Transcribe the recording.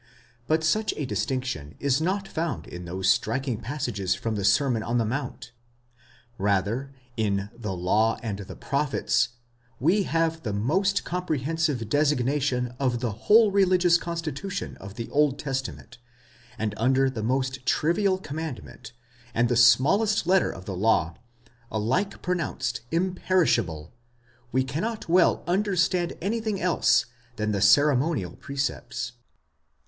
'! But such a distinction is not found in those striking passages from the Sermon on the Mount; rather in the νόμος and προφῆται, the law and the prophets, we have the most com prehensive designation of the whole religious constitution of the Old Testa ment,!? and under the most trivial commandment, and the smallest letter of the law, alike pronounced imperishable, we cannot well understand anything else than the ceremonial precepts."